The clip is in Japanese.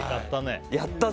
やったぜ。